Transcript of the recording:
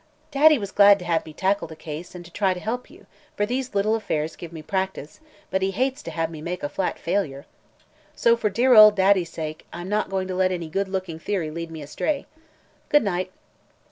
Daddy was glad to have me tackle the case, and try to help you, for these little affairs give me practice; but he hates to have me make a flat failure. So, for dear old Daddy's sake, I'm not going to let any good looking theory lead me astray. Good night.